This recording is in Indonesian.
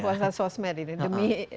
puasa sosmed ini